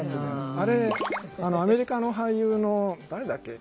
あれアメリカの俳優の誰だっけ。